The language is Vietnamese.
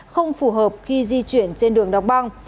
không phù hợp khi di chuyển trên đường đọc băng